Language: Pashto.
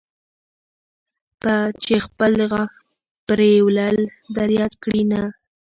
چې خپل د غاښ پرېولل در یاد کړي، نه.